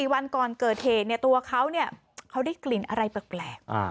วันก่อนเกิดเหตุตัวเขาเขาได้กลิ่นอะไรแปลก